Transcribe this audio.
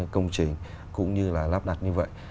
công trình cũng như là lắp đặt như vậy